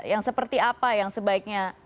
yang seperti apa yang sebaiknya